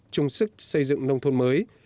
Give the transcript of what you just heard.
trung sức xây dựng nông thôn mới